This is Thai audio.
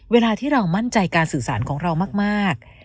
เวลาที่เรามั่นใจการสื่อสารของเรามาก